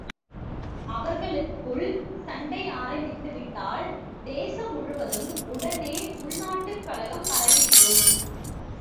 அவர்களுக்குள் சண்டை ஆரம்பித்து விட்டால், தேசம் முழுவதும் உடனே உள்நாட்டுக் கலகம் பரவிவிடும்.